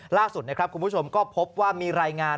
ล่าสุดนะครับคุณผู้ชมก็พบว่ามีรายงาน